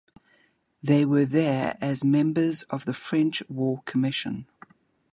They were there as members of the French War Commission.